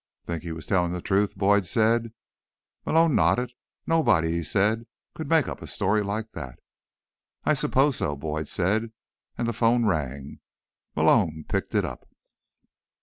"Think he was telling the truth?" Boyd said. Malone nodded. "Nobody," he said, "could make up a story like that." "I suppose so," Boyd said, and the phone rang. Malone picked it up.